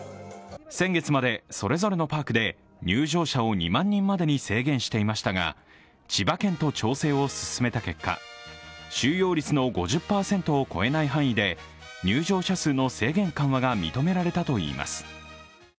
先月までそれぞれのパークで入場者を２万人に制限していましたが千葉県と調整を進めた結果収容率の５０％を超えない範囲で入場者数の制限緩和が認められたといいます。